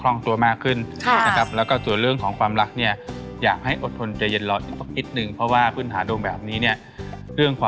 ลองอยู่กับตัวเองสักนิดหนึ่งสักพักหนึ่ง